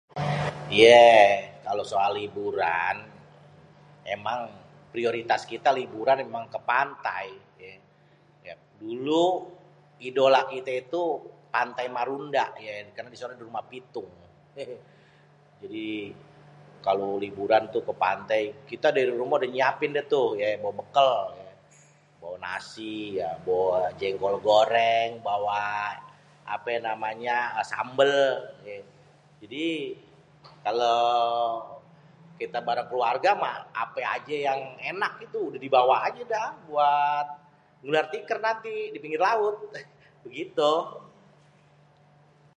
Iyé kalo soal liburan emang prioritas kita liburan emang ke pantai yé. Dulu idola kita itu Pantai Marunda yé karna di sono di rumah Pitung hehe. Jadi kalo liburan tuh ke pantai kita dari rumah udah nyiapin deh tuh yé bawa bekel yé. Bawa nasi ya, bawa jenkol goreng, bawa apé namanya sambel yé. Jadi kalo kita bareng keluarga mah apé ajé yang enak itu udah dibawa aja dah buat gelar tiker nanti di pinggir laut, begitu.